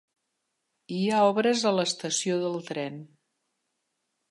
Hi ha obres a l'estació del tren.